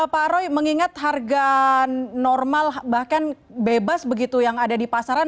pak roy mengingat harga normal bahkan bebas begitu yang ada di pasaran